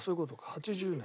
８０年。